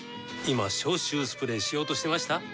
今消臭スプレーしようとしてました？